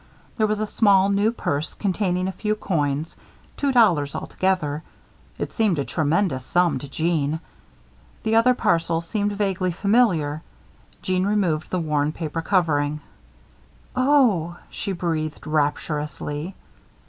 There was a small, new purse containing a few coins two dollars altogether. It seemed a tremendous sum to Jeanne. The other parcel seemed vaguely familiar. Jeanne removed the worn paper covering. "Oh!" she breathed rapturously.